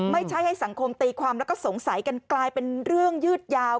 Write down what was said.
ให้สังคมตีความแล้วก็สงสัยกันกลายเป็นเรื่องยืดยาว